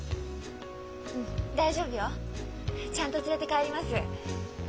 うん大丈夫よ。ちゃんと連れて帰ります。